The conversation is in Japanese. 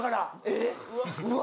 えっうわ！